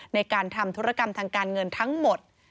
ในการทำธุรกรรมทางการเงินทั้งหมด